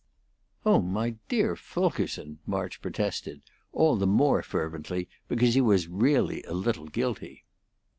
"Oh, my dear Fulkerson!" March protested, all the more fervently because he was really a little guilty.